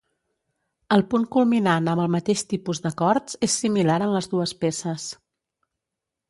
El punt culminant amb el mateix tipus d'acords és similar en les dues peces.